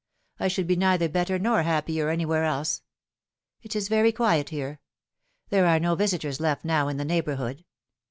I should be neither better nor happier anywhere else. It is very quiet here. There are no visitors left now in the neighbourhood.